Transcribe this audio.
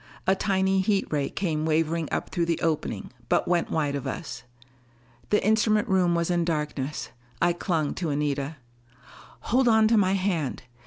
A tiny heat ray came wavering up through the opening, but went wide of us. The instrument room was in darkness. I clung to Anita. "Hold on to my hand.